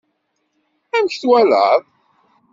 Amek twalaḍ?